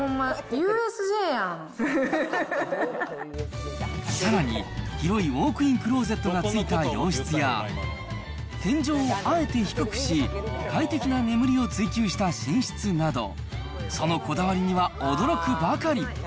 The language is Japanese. Ｕさらに、広いウォークインクローゼットが付いた洋室や、天井をあえて低くし、快適な眠りを追求した寝室など、そのこだわりには驚くばかり。